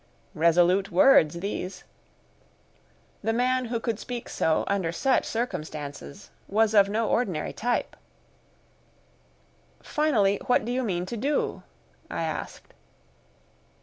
Resolute words these! The man who could speak so, under such circumstances, was of no ordinary type. "Finally, what do you mean to do?" I asked.